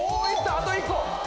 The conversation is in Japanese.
あと１個！